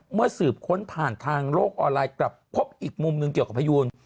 เมื่อสืบค้นผ่านทางโลกออนไลน์กลับพบอีกมุมหนึ่งเกี่ยวกับพยูน